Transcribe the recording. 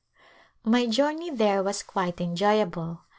My journey there was quite enjoyable.